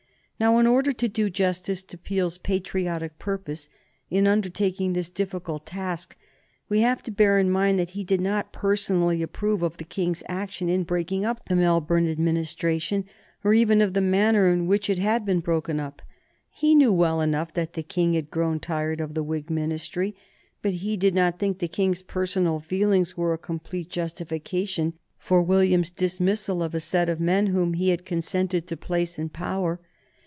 Now, in order to do justice to Peel's patriotic purpose in undertaking this difficult task, we have to bear in mind that he did not personally approve of the King's action in breaking up the Melbourne Administration, or even of the manner in which it had been broken up. He knew well enough that the King had grown tired of the Whig Ministry, but he did not think the King's personal feelings were a complete justification for William's dismissal of a set of men whom he had consented to place in power.